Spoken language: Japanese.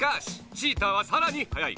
チーターはさらにはやい。